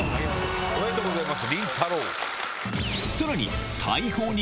おめでとうございます！